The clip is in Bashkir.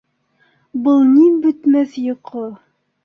Был ни бөтмәҫ йоҡо.